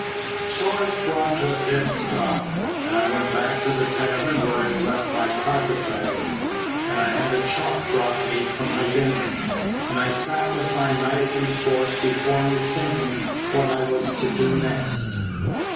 So I was brought to a dead stop; and I went back to the tavern where I'd left my carpet bag, and I had a chop brought me for my dinner, and I sat with my knife and fork before me thinkin' what I was to do next.